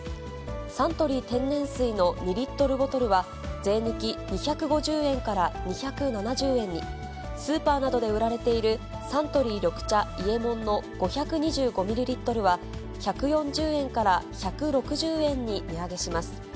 サントリー天然水の２リットルボトルは、税抜き２５０円から２７０円に、スーパーなどで売られているサントリー緑茶、伊右衛門の５２５ミリリットルは、１４０円から１６０円に値上げします。